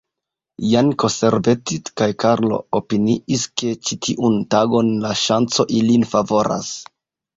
Janko, Servetti kaj Karlo opiniis, ke ĉi tiun tagon la ŝanco ilin favoras.